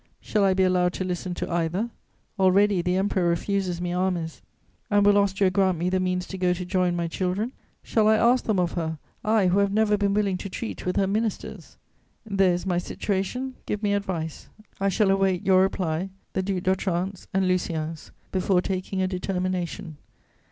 Shall I be allowed to listen to either? Already the Emperor refuses me armies; and will Austria grant me the means to go to join my children? Shall I ask them of her, I who have never been willing to treat with her ministers? There is my situation: give me advice. I shall await your reply, the Duc d'Otrante's and Lucien's, before taking a determination.